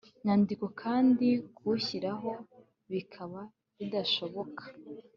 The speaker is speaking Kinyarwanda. nyandiko kandi kuwushyiraho bikaba bidashoboka